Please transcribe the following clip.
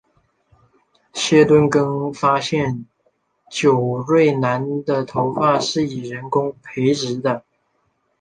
谢顿更发现久瑞南的头发是以人工培植的。